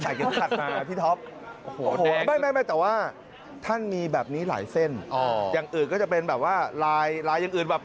อย่างอื่นก็จะเป็นแบบว่ารายยังอื่นแบบ